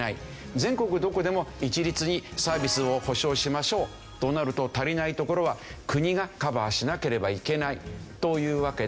全国どこでも一律にサービスを保障しましょうとなると足りない所は国がカバーしなければいけないというわけで。